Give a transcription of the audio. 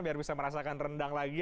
biar bisa merasakan rendang lagi